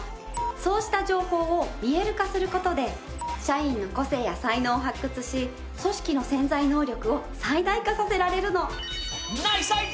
そうした情報を見える化する事で社員の個性や才能を発掘し組織の潜在能力を最大化させられるの。